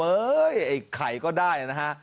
เอ้ยไอ้ไข่ก็ได้นะฮะ